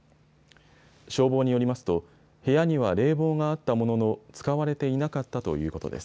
消防によりますと部屋には冷房があったものの使われていなかったということです。